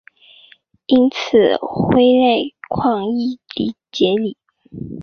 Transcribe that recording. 因此辉钼矿易解理。